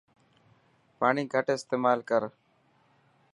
پاڻي گهٽ استيمال ڪرن.